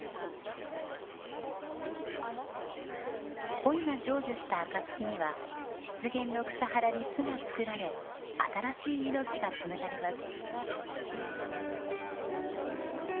恋が成就した暁には湿原の草原に巣が作られ新しい命が紡がれます。